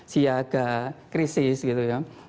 siaga krisis gitu ya